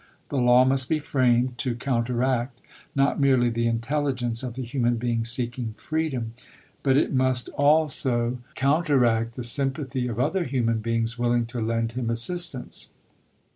The law must be framed to counteract, not merely the intelligence of the human being seeking freedom, but it must also 22 ABRAHAM LINCOLN chap. ii. counteract the sympathy of other human beings willing to lend him assistance.